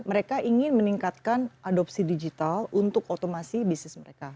mereka ingin meningkatkan adopsi digital untuk otomasi bisnis mereka